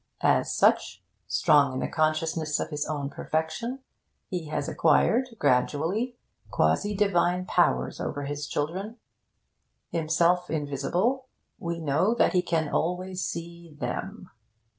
As such, strong in the consciousness of his own perfection, he has acquired, gradually, quasi divine powers over his children. Himself invisible, we know that he can always see them.